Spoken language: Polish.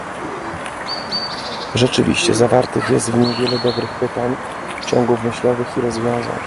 Rzeczywiście, zawartych jest w nim wiele dobrych pytań, ciągów myślowych i rozwiązań